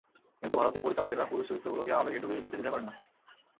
কিন্তু ভারতীয় পরিচালকেরা পুরুষ চরিত্রগুলোকে আবেগে ডুবিয়ে দিতে দ্বিধা করেন না।